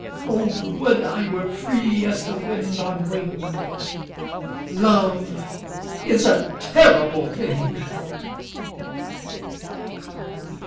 "O would I were free as the wind on wing; Love is a terrible thing!"